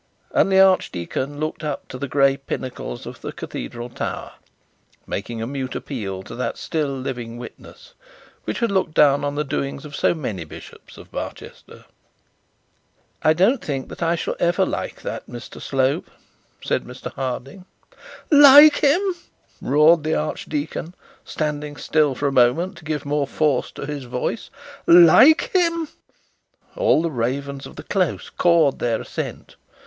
and the archdeacon looked up to the gray pinnacles of the cathedral tower, making a mute appeal to that still living witness which had looked down on the doings of so many bishops of Barchester. 'I don't think I shall ever like that Mr Slope,' said Mr Harding. 'Like him!' roared the archdeacon, standing still for a moment to give more force to his voice; 'like him!' All the ravens of the close cawed their assent.